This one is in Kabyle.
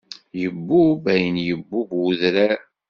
Ibubb ayen ibubb udrar.